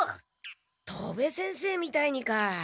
戸部先生みたいにか。